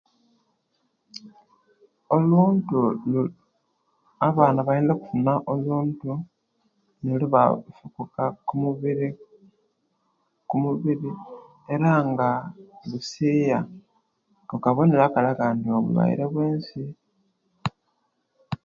Omuntu abaana bayinza okufuna oluntu nelubasusuka okumubiri kumubiri era nga lusiiya ako kabonero akalaga nti obwo bulwaire byensi.